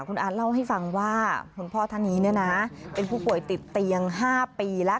คุณอาร์เล่าให้ฟังว่าคุณพ่อท่านนี้เป็นผู้ป่วยติดเตียง๕ปีแล้ว